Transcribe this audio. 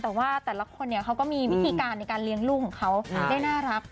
แต่ว่าแต่ละคนเขาก็มีวิธีการในการเลี้ยงลูกของเขาได้น่ารัก